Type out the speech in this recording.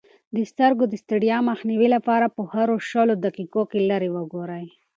د سترګو د ستړیا مخنیوي لپاره په هرو شلو دقیقو کې لیرې وګورئ.